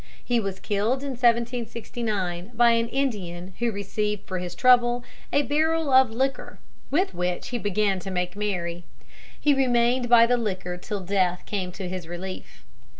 He was killed in 1769 by an Indian who received for his trouble a barrel of liquor, with which he began to make merry. He remained by the liquor till death came to his relief.